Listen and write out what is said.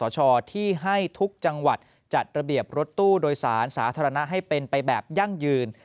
จัดระเบียบรถตู้โดยศาลสาธารณะให้เป็นไปแบบยั่งยืน